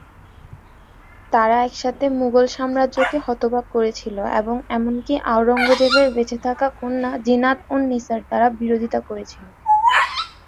তারা একসাথে মুঘল সাম্রাজ্যকে হতবাক করেছিল এবং এমনকি আওরঙ্গজেবের বেঁচে থাকা কন্যা জিনাত-উন-নিসার দ্বারা বিরোধিতা করেছিল।